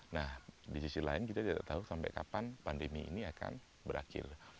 nah di sisi lain kita tidak tahu sampai kapan pandemi ini akan berakhir